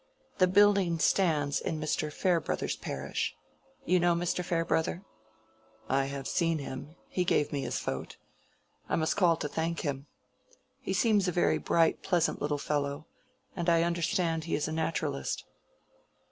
The building stands in Mr. Farebrother's parish. You know Mr. Farebrother?" "I have seen him. He gave me his vote. I must call to thank him. He seems a very bright pleasant little fellow. And I understand he is a naturalist."